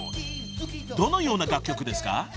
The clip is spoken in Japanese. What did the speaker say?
どのような楽曲ですか？］